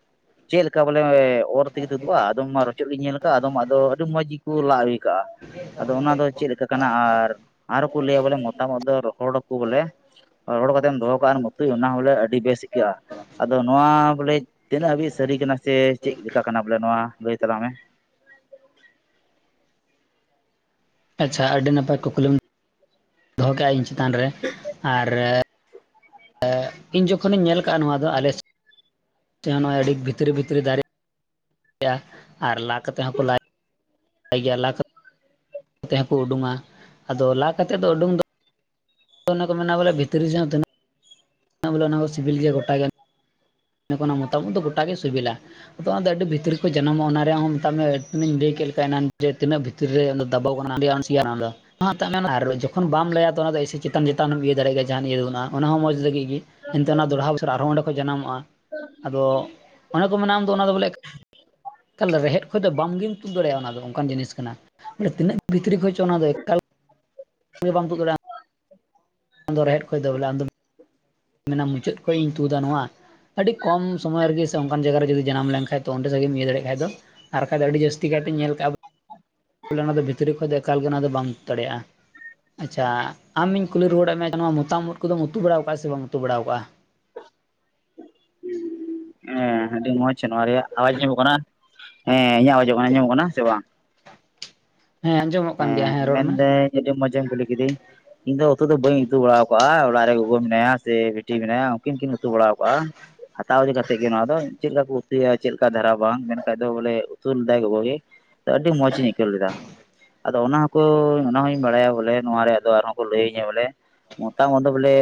ᱪᱮᱜ ᱞᱮᱠᱟ ᱵᱚᱞᱮ [inaudible] ᱚᱨ ᱛᱮᱜᱤ ᱛᱩᱫᱩᱜᱼᱟ ᱟᱫᱚᱢ ᱢᱟ ᱨᱚᱪᱚᱜ ᱜᱤᱧ ᱧᱮᱞ ᱠᱟ, ᱟᱫᱚᱢ ᱟᱫᱚ ᱟᱹᱰᱤ ᱢᱚᱸᱡᱽ ᱜᱮᱠᱚ ᱞᱟᱜ ᱦᱤ ᱠᱟᱜᱼᱟ ᱾ ᱟᱫᱚ ᱚᱱᱟ ᱫᱚ ᱪᱮᱜ ᱞᱮᱠᱟ ᱠᱟᱱᱟ ᱟᱨ, ᱟᱨ ᱠᱚ ᱞᱟᱹᱭᱟ ᱵᱚᱞᱮ ᱢᱚᱛᱟᱢᱚᱛ ᱫᱚ ᱨᱚᱦᱚᱲ ᱟᱠᱚ ᱵᱚᱞᱮ ᱾ ᱨᱚᱲ ᱠᱟᱛᱮᱢ ᱫᱚᱦᱚ ᱠᱟᱜᱼᱟ [unintelligible] ᱚᱱᱟ ᱦᱚᱸ ᱞᱮ ᱟᱹᱰᱤ ᱵᱮᱥ ᱤᱠᱟᱹᱜᱼᱟ ᱾ ᱟᱫᱚ ᱱᱚᱣᱟ ᱵᱚᱞᱮᱡ ᱛᱤᱱᱟᱹᱜ ᱦᱟᱹᱵᱤᱡ ᱥᱟᱹᱨᱤ ᱠᱟᱱᱟ ᱥᱮ ᱪᱮᱜ ᱞᱮᱠᱟ ᱠᱟᱱᱟ ᱵᱚᱞᱮ ᱱᱚᱣᱟ ᱞᱟᱹᱭ ᱛᱟᱞᱟᱝ ᱢᱮ ᱾ ᱟᱪᱪᱷᱟ ᱟᱹᱰᱤ ᱱᱟᱯᱟᱭ ᱠᱩᱠᱞᱤᱢ ᱫᱚᱦᱚᱸ ᱠᱮᱜᱼᱟ ᱤᱧ ᱪᱮᱛᱟᱱ ᱨᱮ ᱟᱨ [inaudible] ᱤᱧ ᱡᱚᱠᱷᱚᱱᱤᱧ ᱧᱮᱞ ᱠᱟᱜᱼᱟ ᱱᱚᱣᱟ ᱫᱚ ᱟᱞᱮ ᱴᱷᱮᱱ ᱦᱚᱸ ᱱᱚᱜᱼᱚᱭ ᱟᱹᱰᱤ ᱵᱷᱤᱛᱨᱤ ᱵᱷᱤᱛᱨᱤ ᱫᱟᱨᱮᱜᱼᱟ, ᱟᱨ ᱞᱟ ᱠᱟᱛᱮ ᱦᱚᱸᱠᱚ ᱞᱟᱭ ᱞᱟᱭ ᱜᱮᱭᱟ ᱞᱟ ᱠᱟᱛᱮᱫ ᱛᱮ ᱦᱚᱸ ᱠᱚ ᱩᱰᱩᱝᱼᱟ, ᱟᱫᱚ ᱞᱟ ᱠᱟᱛᱮ ᱫᱚ ᱩᱰᱩᱝ ᱫᱚ ᱚᱱᱮ ᱠᱚ ᱢᱮᱱᱟ ᱵᱚᱞᱮ ᱵᱷᱤᱛᱨᱤ ᱡᱟᱦᱟᱸ ᱛᱤᱱᱟᱹᱜ ᱵᱚᱞᱮ ᱚᱱᱟ ᱠᱚ ᱥᱤᱵᱤᱞ ᱜᱮᱭᱟ ᱜᱚᱴᱟ ᱜᱮ ᱚᱱᱮ ᱢᱚᱛᱟᱢ ᱳᱫ ᱫᱚ ᱜᱚᱴᱟ ᱜᱮ ᱥᱮᱵᱮᱞᱟ ᱾ ᱛᱚ ᱚᱱᱛᱮ ᱟᱹᱰᱤ ᱵᱷᱤᱛᱨᱤ ᱠᱚ ᱡᱟᱱᱟᱢᱚᱜ, ᱚᱱᱟ ᱨᱮᱭᱟᱜ ᱦᱚᱸ ᱢᱮᱛᱟᱜ ᱢᱮ ᱚᱱᱮᱧ ᱞᱟᱹᱭ ᱠᱮᱫ ᱞᱮᱠᱟ ᱡᱮ ᱛᱤᱱᱟᱹᱜ ᱵᱷᱤᱛᱨᱤ ᱵᱷᱤᱛᱨᱤ ᱨᱮ ᱫᱟᱵᱟᱣ ᱟᱠᱟᱱᱟ, ᱟᱹᱰᱤ ᱟᱱ ᱥᱤᱭᱟᱱᱟ ᱚᱱᱟ ᱫᱚ ᱾ ᱚᱱᱟ ᱦᱚᱸ ᱛᱟᱜ ᱢᱮ ᱟᱨ ᱡᱚᱠᱷᱚᱱ ᱵᱟᱢ ᱞᱟᱹᱭᱟ ᱛᱚ ᱚᱱᱟ ᱫᱚ ᱪᱮᱛᱟᱱ ᱪᱮᱛᱟᱱᱮᱢ ᱤᱭᱟᱹ ᱫᱟᱲᱮᱭᱟᱜ ᱜᱮᱭᱟ ᱡᱟᱦᱟᱸᱱᱟᱜ ᱤᱭᱟᱹ ᱫᱚ ᱵᱟᱹᱱᱩᱜᱼᱟ ᱚᱱᱟ ᱦᱚᱸᱚᱸ ᱢᱚᱸᱡᱽ ᱜᱮ ᱾ ᱮᱱᱛᱮ ᱚᱱᱛᱮ ᱫᱚᱲᱦᱟ ᱵᱚᱪᱷᱚᱨ ᱟᱨ ᱦᱚᱸ ᱚᱸᱰᱮ ᱠᱷᱚᱡ ᱡᱟᱱᱟᱢᱚᱜᱼᱟ ᱾ [unintelligible] ᱟᱫᱚ ᱚᱱᱮ ᱠᱚ ᱢᱮᱱᱟ ᱟᱢ ᱫᱚ ᱚᱱᱟ ᱫᱚ ᱵᱚᱞᱮ ᱛᱟᱦᱚᱞᱮ ᱨᱮᱦᱮᱫ ᱠᱷᱚᱡ ᱫᱚ ᱵᱟᱢᱜᱮᱢ ᱛᱩᱫ ᱫᱟᱲᱮᱭᱟᱜᱼᱟ ᱚᱱᱟ ᱫᱚ ᱚᱱᱠᱟᱱ ᱡᱤᱱᱤᱥ ᱠᱟᱱᱟ᱾ ᱮ ᱛᱤᱱᱟᱹᱜ ᱵᱷᱤᱛᱨᱤ ᱠᱷᱚᱡ ᱪᱚ ᱚᱱᱟ ᱫᱚ ᱮᱠᱟᱞ ᱵᱟᱢ ᱛᱩᱫ ᱫᱟᱲᱮᱭᱟᱜᱼᱟ᱾ ᱟᱢ ᱫᱚ ᱨᱮᱦᱮᱫ ᱠᱷᱚᱡ ᱫᱚ ᱵᱚᱞᱮ ᱟᱢ ᱢᱮᱱᱟᱢ ᱢᱩᱪᱟᱹᱫ ᱠᱷᱚᱡ ᱤᱧ ᱛᱩᱫᱟ ᱱᱚᱣᱟ ᱟᱹᱰᱤ ᱠᱚᱢ ᱥᱚᱢᱚᱭ ᱨᱮ ᱜᱮ ᱥᱮ ᱚᱱᱠᱟᱱ ᱡᱟᱭᱜᱟ ᱨᱮ ᱜᱮ ᱡᱩᱫᱤ ᱡᱟᱱᱟᱢ ᱞᱮᱱ ᱠᱷᱟᱡ ᱫᱚ ᱚᱸᱰᱮ ᱜᱮᱢ ᱤᱭᱟᱹ ᱫᱟᱲᱮᱭᱟᱜ ᱠᱷᱟᱡ ᱫᱚ, ᱟᱨ ᱵᱟᱠᱷᱟᱡ ᱫᱚ ᱟᱹᱰᱤ ᱡᱟᱹᱥᱛᱤ ᱠᱟᱭ ᱛᱮ ᱧᱮᱞ ᱠᱟᱜ-ᱟ ᱾ ᱵᱚᱞᱮ ᱚᱱᱟ ᱫᱚ ᱵᱷᱤᱛᱨᱤ ᱠᱷᱚᱡ ᱫᱚ ᱮᱠᱟᱞ ᱜᱮ ᱚᱱᱟ ᱫᱚ ᱵᱟᱢ ᱛᱩᱫ ᱫᱟᱲᱮᱭᱟᱜᱼᱟ᱾ ᱟᱪᱪᱷᱟ, ᱟᱢ ᱤᱧ ᱠᱩᱞᱤ ᱨᱩᱣᱟᱹᱲᱮᱫ ᱢᱮᱭᱟ ᱱᱚᱣᱟ ᱢᱚᱛᱟᱢ ᱳᱫ ᱠᱚᱫᱚᱢ ᱩᱛᱩ ᱵᱟᱲᱟᱣ ᱠᱟᱜᱼᱟ ᱥᱮ ᱵᱟᱢ ᱩᱛᱩ ᱵᱟᱲᱟᱣ ᱟᱠᱟᱜᱼᱟ? [unintelligible] ᱦᱮᱸ, ᱟᱹᱰᱤ ᱢᱚᱸᱡᱽ ᱱᱚᱣᱟ ᱨᱮᱭᱟᱜ ᱟᱣᱟᱡᱽ ᱟᱸᱡᱚᱢᱚᱜ ᱠᱟᱱᱟ, ᱦᱮᱸ ᱤᱧᱟᱹᱜ ᱟᱣᱟᱡᱚᱜ ᱠᱟᱱᱟ ᱧᱟᱢᱚᱜ ᱠᱟᱱᱟ ᱥᱮ ᱵᱟᱝ? ᱦᱮᱸ, ᱟᱸᱡᱚᱢᱚᱜ ᱠᱟᱱ ᱜᱮᱭᱟ ᱦᱮᱸ, ᱨᱚᱲ ᱢᱮ ᱢᱮᱱᱫᱟᱹᱧ ᱟᱹᱰᱤ ᱢᱚᱡᱮᱢ ᱠᱩᱞᱤ ᱠᱤᱫᱤᱧ ᱾ ᱤᱧ ᱫᱚ ᱩᱛᱩ ᱫᱚ ᱵᱟᱹᱧ ᱩᱛᱩ ᱵᱟᱲᱟᱣ ᱟᱠᱟᱜᱼᱟ ᱾ ᱚᱲᱟᱜ ᱨᱮ ᱜᱚ ᱜᱚ ᱢᱮᱱᱟᱭᱟ ᱥᱮ ᱵᱤᱴᱤ ᱢᱮᱱᱟᱭᱟ ᱩᱱ ᱠᱤᱱ ᱠᱤᱱ ᱩᱛᱩ ᱵᱟᱲᱟᱣ ᱟᱠᱟᱜᱼᱟ ᱾ ᱦᱟᱛᱟᱣ ᱤᱫᱤ ᱠᱟᱛᱮᱫ ᱜᱮ ᱱᱚᱣᱟ ᱫᱚ ᱪᱮᱫ ᱞᱮᱠᱟ ᱠᱚ ᱩᱛᱩᱭᱟ ᱪᱮᱫ ᱞᱮᱠᱟ ᱫᱷᱟᱨᱟ ᱵᱟᱝ ᱢᱮᱱ ᱠᱷᱟᱡ ᱫᱚ ᱵᱚᱞᱮ ᱩᱛᱩ ᱞᱮᱫᱟᱭ ᱜᱚᱜᱚ ᱜᱮ ᱾ ᱛᱮ ᱟᱹᱰᱤ ᱢᱚᱸᱡᱽ ᱤᱧ ᱟᱹᱭᱠᱟᱹᱣ ᱞᱮᱫᱟ᱾ ᱟᱫᱚ ᱚᱱᱟ ᱦᱚᱸ ᱠᱚ ᱚᱱᱟ ᱦᱚᱸᱧ ᱵᱟᱲᱟᱭᱟ ᱵᱚᱞᱮ ᱱᱚᱣᱟ ᱨᱮᱭᱟᱜ ᱫᱚ ᱟᱨ ᱦᱚᱸ ᱠᱚ ᱞᱟᱹᱭᱟᱹᱧᱟ ᱵᱚᱞᱮ, ᱢᱚᱛᱟᱢ ᱳᱫ ᱫᱚ ᱵᱚᱞᱮ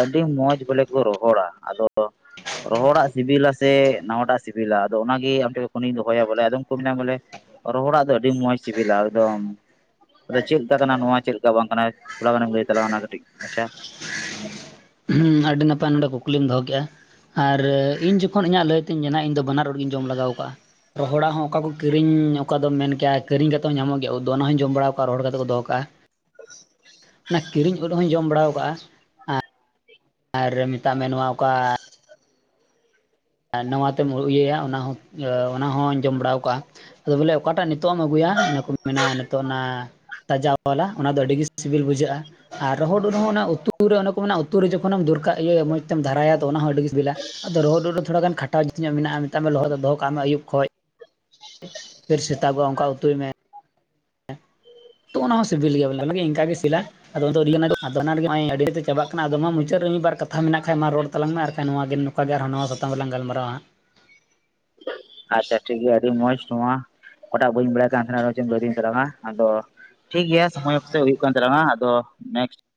ᱟᱹᱰᱤ ᱢᱚᱸᱡᱽ ᱵᱚᱞᱮ ᱠᱚ ᱨᱚᱦᱚᱲᱟ, ᱟᱫᱚ ᱫᱚ ᱨᱚᱦᱚᱲᱟᱜ ᱥᱤᱵᱤᱞᱟ ᱥᱮ ᱱᱟᱣᱟᱴᱟᱜ ᱥᱤᱵᱤᱞᱟ ᱟᱫᱚ ᱚᱱᱟ ᱜᱮ ᱟᱢ ᱴᱷᱮᱱ ᱠᱷᱚᱱᱤᱧ ᱫᱚᱦᱚᱭᱟ ᱵᱚᱞᱮ ᱟᱫᱚᱢ ᱠᱚ ᱢᱮᱱᱟ ᱵᱚᱞᱮ ᱨᱚᱦᱚᱲᱟᱜ ᱫᱚ ᱟᱹᱰᱤ ᱢᱚᱸᱡᱽ ᱡᱤᱵᱤᱞᱟ ᱟᱲᱫᱚᱢ, ᱟᱫᱚ ᱪᱮᱫ ᱞᱮᱠᱟ ᱠᱟᱱᱟ ᱱᱚᱣᱟ ᱞᱮᱠᱟ ᱵᱟᱝ ᱠᱟᱱᱟᱭᱟ ᱛᱷᱚᱲᱟ ᱜᱟᱱᱮᱢ ᱞᱟᱹᱭ ᱛᱟᱞᱟᱝᱼᱟ? ᱚᱱᱟ ᱠᱟᱹᱴᱤᱡ ᱢᱟᱪᱷᱟ ᱦᱩᱸ, ᱟᱹᱰᱤ ᱱᱟᱯᱟᱭ ᱱᱚᱰᱮ ᱠᱩᱠᱞᱤᱢ ᱫᱚᱦᱚ ᱠᱮᱜᱼᱟ ᱾ ᱟᱨ ᱤᱧ ᱡᱚᱠᱷᱚᱱ ᱤᱧᱟᱹᱜ ᱞᱟᱹᱭᱛᱤᱧ ᱢᱮᱱᱟ ᱤᱧ ᱫᱚ ᱵᱟᱱᱟᱨ ᱳᱫ ᱜᱤᱧ ᱡᱚᱢ ᱞᱟᱜᱟᱣ ᱟᱠᱟᱜᱼᱟ ᱾ ᱨᱚᱦᱚᱲᱟᱜ ᱦᱚᱸ ᱚᱠᱟ ᱠᱚ ᱠᱤᱨᱤᱧ, ᱚᱠᱟ ᱫᱚᱢ ᱢᱮᱱ ᱠᱮᱭᱟ ᱠᱤᱨᱤᱧ ᱠᱟᱛᱮᱫ ᱧᱟᱢᱚᱜ ᱜᱮᱭᱟ ᱫᱚ, ᱚᱱᱟ ᱦᱚᱸᱧ ᱡᱚᱢ ᱵᱟᱲᱟ ᱠᱟᱜᱼᱟ ᱨᱚᱦᱚᱲ ᱠᱟᱛᱮ ᱠᱚ ᱫᱚ ᱦᱚ ᱠᱟᱜᱼᱟ ᱾ ᱚᱱᱟ ᱠᱤᱨᱤᱧ ᱳᱫ ᱦᱚᱸᱧ ᱡᱚᱢ ᱵᱟᱲᱟᱣ ᱟᱠᱟᱜᱼᱟ ᱾ ᱟᱨ ᱢᱮᱛᱟᱜ ᱢᱮ ᱱᱚᱣᱟ ᱚᱠᱟ, ᱟᱨ ᱱᱟᱣᱟ ᱛᱮᱢ ᱤᱭᱟᱹᱭᱟ ᱚᱱᱟ ᱦᱚᱸ ᱚᱱᱟ ᱦᱚᱸᱧ ᱡᱚᱢ ᱵᱟᱲᱟᱣ ᱟᱠᱟᱜᱼᱟ, ᱟᱫᱚ ᱵᱚᱞᱮ ᱚᱠᱟᱴᱟᱜ ᱱᱤᱛᱳᱜ ᱮᱢ ᱟᱹᱜᱩᱭᱟ ᱚᱱᱟ ᱠᱚ ᱢᱮᱱᱟ ᱱᱤᱛᱳᱜ ᱚᱱᱟ ᱛᱟᱡᱟ ᱟᱣᱟᱞᱟ ᱚᱱᱟ ᱫᱚ ᱟᱹᱰᱤ ᱜᱮ ᱥᱤᱵᱤᱞ ᱵᱩᱡᱷᱟᱹᱜᱼᱟ ᱾ ᱟᱨ ᱨᱚᱦᱚᱲ ᱳᱫ ᱦᱚᱸ ᱚᱱᱟ ᱩᱛᱩ ᱨᱮ ᱚᱱᱮ ᱠᱚ ᱢᱮᱱᱟᱜᱼᱟ ᱩᱛᱩ ᱨᱮ ᱡᱚᱠᱷᱚᱱ ᱮᱢ ᱫᱚᱨᱠᱟᱜ ᱤᱭᱟᱹ ᱢᱚᱡᱽ ᱛᱮᱢ ᱫᱷᱟᱨᱟᱭᱟ ᱛᱚ ᱚᱱᱟ ᱦᱚᱸ ᱟᱹᱰᱤ ᱜᱮ ᱥᱤᱵᱤᱞᱟ ᱾ ᱟᱫᱚ ᱨᱚᱦᱚᱫ ᱩᱫ ᱨᱮ ᱫᱚ ᱛᱷᱚᱲᱟ ᱜᱟᱱ ᱠᱷᱟᱴᱟᱣ ᱡᱩᱛᱧᱚᱜ ᱢᱮᱱᱟᱜᱼᱟ, ᱢᱮᱛᱟᱜ ᱢᱮ ᱞᱚᱦᱚᱫ ᱩᱫ ᱫᱚ ᱦᱚ ᱠᱟᱜ ᱢᱮ ᱟᱹᱭᱩᱵ ᱠᱷᱚᱡ ᱾ ᱯᱷᱮᱨ ᱥᱮᱛᱟᱜᱼᱟ ᱚᱝᱠᱟ ᱩᱛᱩᱭ ᱢᱮ, ᱛᱚ ᱚᱱᱟ ᱦᱚᱸ ᱥᱤᱵᱤᱞ ᱜᱮᱭᱟ ᱵᱚᱞᱮ ᱤᱝᱠᱟᱹ ᱜᱮ ᱥᱤᱵᱤᱞᱟ ᱟᱫᱚ [inaudible] ᱪᱟᱵᱟᱜ ᱠᱟᱱᱟ ᱟᱫᱚ ᱢᱟ ᱢᱩᱪᱟᱹᱫ ᱨᱮ ᱢᱤᱫ ᱵᱟᱨ ᱠᱟᱛᱷᱟ ᱢᱮᱱᱟᱜ ᱠᱷᱟᱱᱡ ᱢᱟ ᱨᱚᱲ ᱛᱟᱞᱟᱝ ᱢᱮ ᱟᱨ ᱠᱷᱟᱱ ᱜᱮ ᱱᱚᱝᱠᱟ ᱜᱮ ᱟᱨ ᱦᱚᱸ ᱱᱟᱣᱟ ᱥᱟᱛᱟᱢ ᱨᱮᱞᱟᱝ ᱜᱟᱞᱢᱟᱨᱟ ᱦᱟᱸᱜ ᱾ ᱟᱪᱪᱷᱟ ᱴᱷᱤᱠ ᱜᱮᱭᱟ, ᱟᱹᱰᱤ ᱢᱚᱸᱡᱽ ᱱᱚᱣᱟ, ᱚᱠᱟᱴᱟᱜ ᱵᱟᱹᱧ ᱵᱟᱲᱟᱭ ᱠᱟᱱ ᱛᱟᱦᱮᱱᱟ ᱪᱮᱫ ᱟᱫᱤᱧ ᱛᱟᱞᱟᱝᱼᱟ, ᱟᱫᱚ ᱴᱷᱤᱠ ᱜᱤᱭᱟ ᱥᱚᱢᱚᱭ ᱚᱠᱛᱮ ᱦᱩᱭᱩᱜ ᱠᱟᱱ ᱛᱟᱞᱟᱝᱼᱟ ᱟᱫᱚ ᱱᱮᱠᱥᱴ᱾